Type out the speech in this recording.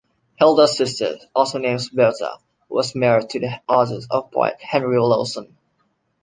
Hilda's sister, also named Bertha, was married to the author and poet Henry Lawson.